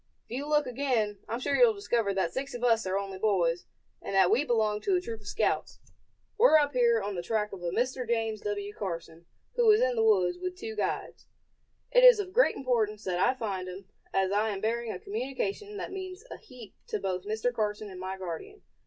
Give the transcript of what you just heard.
"If you look again, I'm sure you'll discover that six of us are only boys, and that we belong to a troop of scouts. We're up here on the track of a Mr. James W. Carson, who is in the woods, with two guides. It is of great importance that I find him, as I am bearing a communication that means a heap to both Mr. Carson and my guardian.